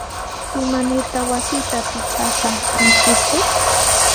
¿Imanirtaq wasita pichashqa kankitsu?